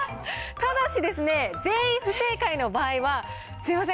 ただし、全員不正解の場合は、すみません。